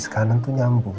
alis kanan itu nyambung